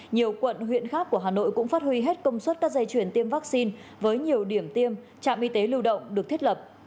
nhiều quận huyện khác của hà nội cũng phát huy hết công suất các dây chuyển tiêm vaccine với nhiều điểm tiêm trạm y tế lưu động được thiết lập